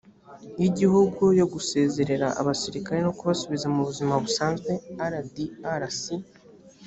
y igihugu yo gusezerera abasirikare no kubasubiza mu buzima busanzwe rdrc